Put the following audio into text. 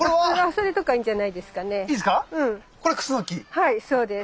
はいそうです。